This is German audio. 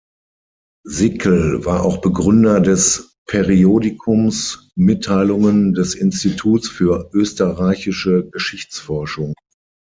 Sickel war auch Begründer des Periodikums Mitteilungen des Instituts für Österreichische Geschichtsforschung.